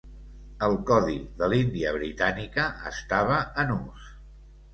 El codi de l'Índia Britànica estava en ús.